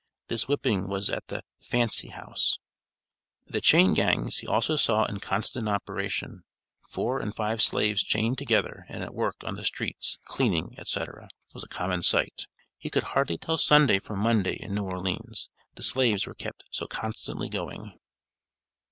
This whipping was at the "Fancy House." The "chain gangs" he also saw in constant operation. Four and five slaves chained together and at work on the streets, cleaning, &c., was a common sight. He could hardly tell Sunday from Monday in New Orleans, the slaves were kept so constantly going.